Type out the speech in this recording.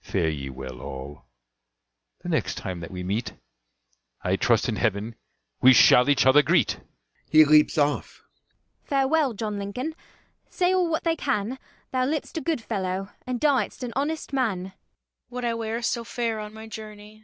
Fare ye well, all: the next time that we meet, I trust in heaven we shall each other greet. [He leaps off.] DOLL. Farewell, John Lincoln: say all what they can, Thou liv'dst a good fellow, and diedst an honest man. CLOWN. Would I wear so fair on my journey!